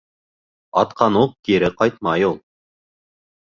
Атҡан уҡ кире ҡайтмай ул.